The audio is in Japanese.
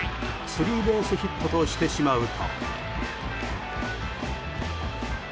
スリーベースヒットとしてしまうと。